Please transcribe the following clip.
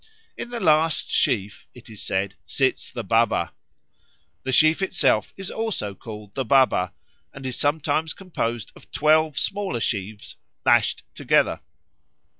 "In the last sheaf," it is said, "sits the Baba." The sheaf itself is also called the Baba, and is sometimes composed of twelve smaller sheaves lashed together.